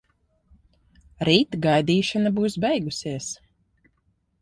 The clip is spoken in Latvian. Rīt gaidīšana būs beigusies.